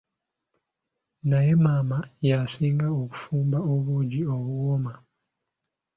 Naye maama ya'singa okufumba obuugi obuwooma!